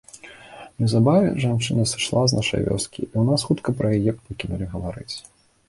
Неўзабаве жанчына сышла з нашай вёскі, і ў нас хутка пра яе пакінулі гаварыць.